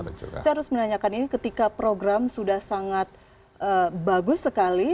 saya harus menanyakan ini ketika program sudah sangat bagus sekali